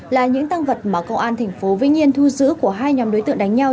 là những tăng vật mà công an tp vĩnh yên thu giữ của hai nhóm đối tượng đánh nhau